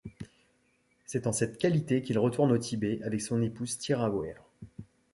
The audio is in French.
C'est en cette qualité qu'il retourne au Tibet avec son épouse Thyra Weir.